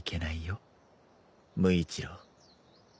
無一郎。